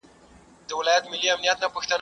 چي نه دي وي په خوا، هغه سي تا ته بلا.